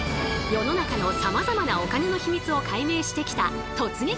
世の中のさまざまなお金のヒミツを解明してきた「突撃！